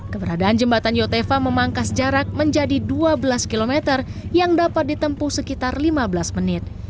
keberadaan jembatan yotefa memangkas jarak menjadi dua belas km yang dapat ditempuh sekitar lima belas menit